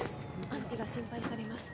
安否が心配されます。